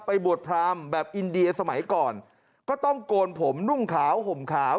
บวชพรามแบบอินเดียสมัยก่อนก็ต้องโกนผมนุ่งขาวห่มขาว